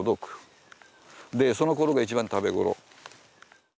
そのころが一番食べ頃。